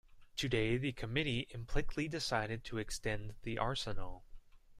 Today the committee implicitly decided to extend the arsenal.